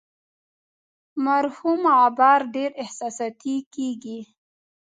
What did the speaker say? مرحوم غبار ډیر احساساتي کیږي.